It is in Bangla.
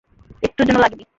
একটুর জন্য লাগেনি।